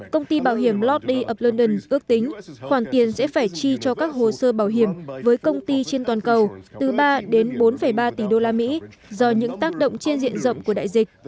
công ty bảo hiểm lody op london ước tính khoản tiền sẽ phải chi cho các hồ sơ bảo hiểm với công ty trên toàn cầu từ ba đến bốn ba tỷ đô la mỹ do những tác động trên diện rộng của đại dịch